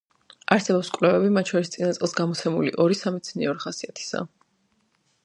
არსებობს კვლევები, მათ შორის წინა წელს გამოცემული ორი სამეცნიერო ხასიათისაა.